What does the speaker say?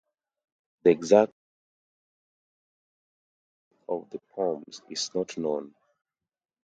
The exact chronology of the poems is not known.